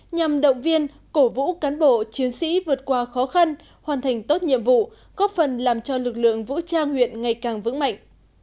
nhằm động viên cổ vũ cán bộ chiến sĩ vượt qua khó khăn hoàn thành tốt nhiệm vụ góp phần làm cho lực lượng vũ trang huyện ngày càng vững mạnh